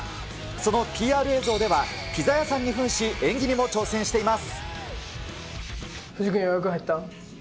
そのＰＲ映像では、ピザ屋さんにふんし、演技にも挑戦しています。